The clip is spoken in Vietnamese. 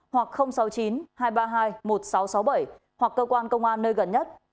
hoặc sáu mươi chín hai trăm ba mươi hai một nghìn sáu trăm sáu mươi bảy hoặc cơ quan công an nơi gần nhất